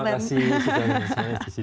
terima kasih saya disini